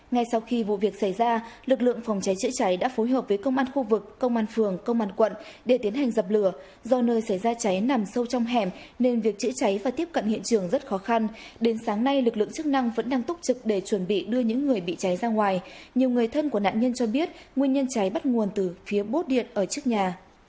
ngay sau khi vụ việc xảy ra lực lượng phòng cháy chữa cháy đã phối hợp với công an khu vực công an phường công an quận để tiến hành dập lửa do nơi xảy ra cháy nằm sâu trong hẻm nên việc chữa cháy và tiếp cận hiện trường rất khó khăn đến sáng nay lực lượng chức năng vẫn đang túc trực để chuẩn bị đưa những người bị cháy ra ngoài nhiều người thân của nạn nhân cho biết nguyên nhân cháy bắt nguồn từ phía bốt điện ở trước nhà